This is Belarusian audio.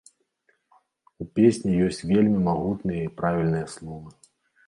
У песні ёсць вельмі магутныя і правільныя словы.